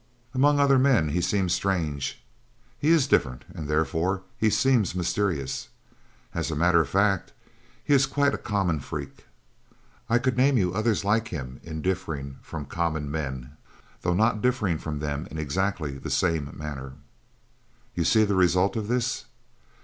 "Among other men he seems strange. He is different and therefore he seems mysterious. As a matter of fact, he is quite a common freak. I could name you others like him in differing from common men, though not differing from them in exactly the same manner. "You see the result of this?